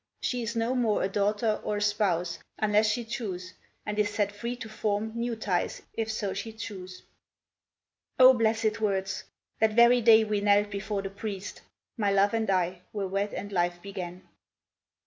She is no more a daughter, or a spouse, Unless she choose, and is set free to form New ties, if so she choose." O, blessed words! That very day we knelt before the priest, My love and I, were wed, and life began.